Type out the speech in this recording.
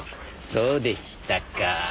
そうでしたか。